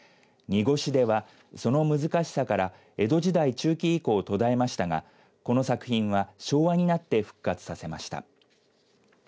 濁手は、その難しさから江戸時代中期以降途絶えましたがこの作品は昭和になって復活させました。